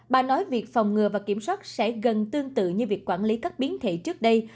bà nói việc phòng ngừa và kiểm soát sẽ gần tương tự như việc quản lý các biến thể trước đây